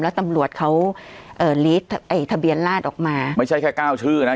แล้วตำรวจเขาเอ่อลีดไอ้ทะเบียนลาดออกมาไม่ใช่แค่เก้าชื่อนะ